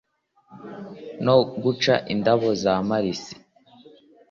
no guca indabo z’amalisi.